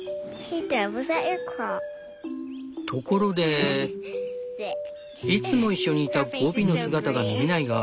ところでいつもいっしょにいたゴビの姿が見えないが。